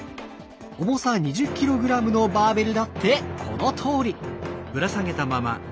重さ２０ｋｇのバーベルだってこのとおり。